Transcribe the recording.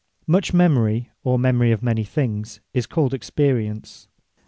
Much memory, or memory of many things, is called Experience.